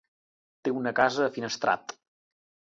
Té una casa a Finestrat.